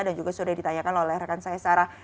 dan juga sudah ditanyakan oleh rakan saya sarah